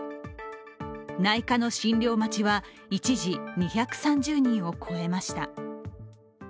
内科の診療待ちは、一時２３０人を超えました。